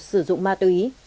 sử dụng ma tư ý